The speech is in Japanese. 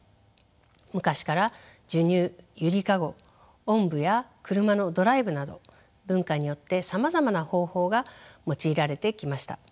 昔から授乳揺りかごおんぶや車のドライブなど文化によってさまざまな方法が用いられてきました。